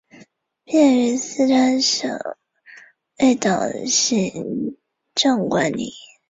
毕业于四川省委党校行政管理。